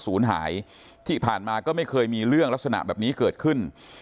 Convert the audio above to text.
ศูนย์หายที่ผ่านมาก็ไม่เคยมีเรื่องลักษณะแบบนี้เกิดขึ้น